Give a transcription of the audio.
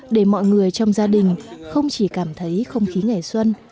để mọi người trong gia đình không chỉ cảm thấy không khí ngày xuân